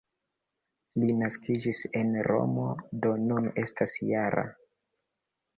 Li naskiĝis en Romo, do nun estas -jara.